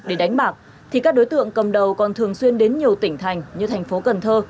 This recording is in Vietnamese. để đánh bạc thì các đối tượng cầm đầu còn thường xuyên đến nhiều tỉnh thành như thành phố cần thơ